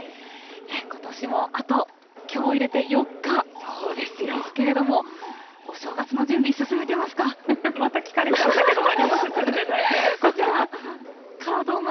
ことしもあと、きょうを入れて４日ですけれども、お正月の準備、また聞かれちゃったけど、何こちら、門松。